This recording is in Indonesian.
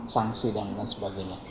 sanksi dan sebagainya